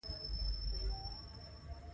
د کورنیو جګړو په ترڅ کې شتمنۍ مصادره کړل.